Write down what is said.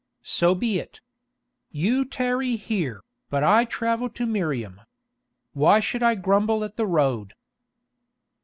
So be it. You tarry here, but I travel to Miriam. Why should I grumble at the road?